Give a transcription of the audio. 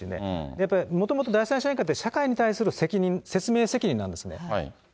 やっぱりもともと第三者委員会って、社会に対する責任、説明責任なんですね。